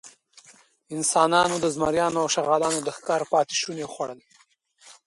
انسانانو د زمریانو او شغالانو د ښکار پاتېشوني خوړل.